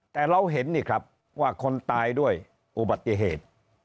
แต่เราเห็นนี่ครับว่าคนตายด้วยอุบัติเหตุ